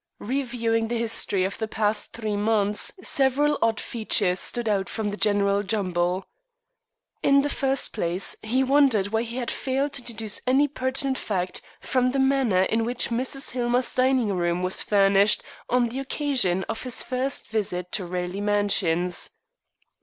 Reviewing the history of the past three months several odd features stood out from the general jumble. In the first place, he wondered why he had failed to deduce any pertinent fact from the manner in which Mrs. Hillmer's dining room was furnished on the occasion of his first visit to Raleigh Mansions.